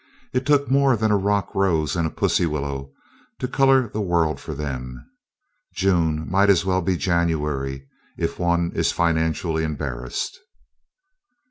It took more than a rock rose and a pussy willow to color the world for them. June might as well be January, if one is financially embarrassed.